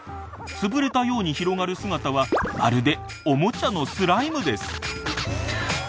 潰れたように広がる姿はまるでおもちゃのスライムです。